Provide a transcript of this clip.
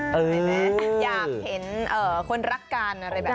เห็นไหมอยากเห็นคนรักกันอะไรแบบนี้